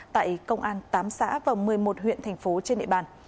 tại công an tám xã và một mươi một huyện thành phố trên địa bàn